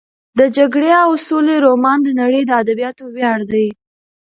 د جګړې او سولې رومان د نړۍ د ادبیاتو ویاړ دی.